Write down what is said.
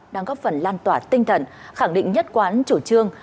đang góp phần lan tỏa tinh thần khẳng định nhất quán chủ trương